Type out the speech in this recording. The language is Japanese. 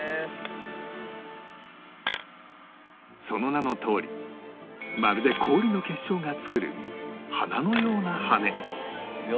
その名のとおりまるで氷の結晶が作る花のような羽根